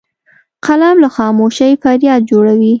قلم له خاموشۍ فریاد جوړوي